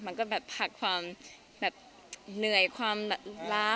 มันก็แบบพักความเหนื่อยความความสงสัย